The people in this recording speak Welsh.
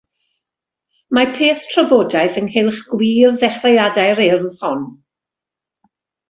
Mae peth trafodaeth ynghylch gwir ddechreuadau'r Urdd hon.